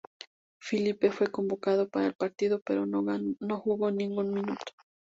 Filipe fue convocado para el partido pero no jugó ningún minuto.